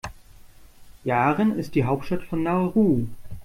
Yaren ist die Hauptstadt von Nauru.